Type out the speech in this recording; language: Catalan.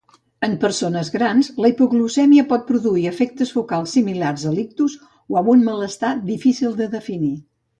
En les persones grans, la hipoglucèmia pot produir efectes focals similars a l'ictus o un malestar difícil de definir.